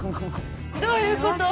どういうこと？